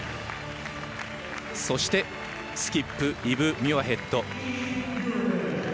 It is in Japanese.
そして、スキップイブ・ミュアヘッド。